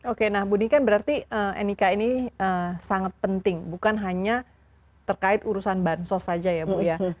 oke nah bu ini kan berarti nik ini sangat penting bukan hanya terkait urusan bahan sos aja ya bu ya